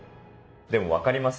でも分かりますよ。